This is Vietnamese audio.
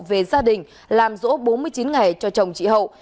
về gia đình làm rỗ bốn mươi chín ngày cho chồng chị hậu